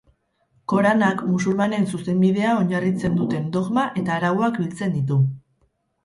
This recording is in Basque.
Koranak musulmanen zuzenbidea oinarritzen duten dogma eta arauak biltzen ditu.